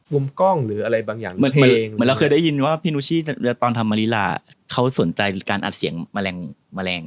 เสียงผีเป็นยังไงเขาก็จะเขาทำเองเขาเป็นเสียงเขาเอง